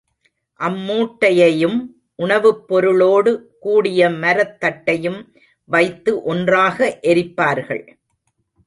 அம் மூட்டையையும், உணவுப் பொருளோடு கூடிய மரத் தட்டையும் வைத்து ஒன்றாக எரிப்பார்கள்.